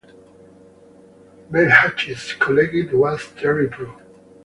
Bailhache's colleague was Terry Prue.